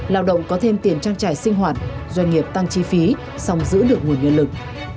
lao động có thêm tiền trang trải sinh hoạt doanh nghiệp tăng chi phí song giữ được nguồn nhân lực